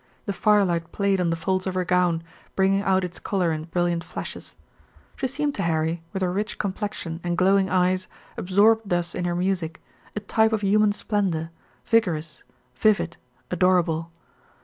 The firelight played on the folds of her gown, bringing out its color in brilliant flashes. She seemed to Harry, with her rich complexion and glowing eyes, absorbed thus in her music, a type of human splendor, vigorous, vivid, adorable.